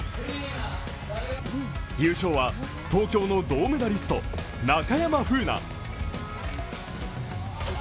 優勝は、東京の銅メダリスト・中山楓奈。